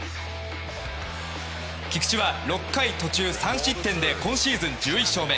菊池は６回途中３失点で今シーズン１１勝目。